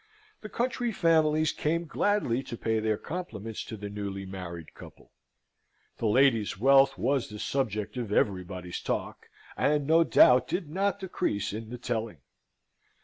The country families came gladly to pay their compliments to the newly married couple. The lady's wealth was the subject of everybody's talk, and no doubt did not decrease in the telling.